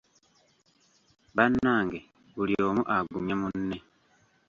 Bannange buli omu agumye munne.